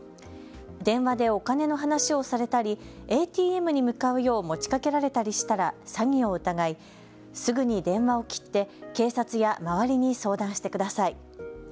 電話でお金の話をされたりＡＴＭに向かうよう持ちかけられたりしたら詐欺を疑い、すぐに電話を切って警察や周りに相談してください。